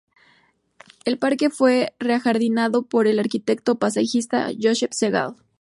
El parque fue re-ajardinado por el arquitecto paisajista Joseph Segal.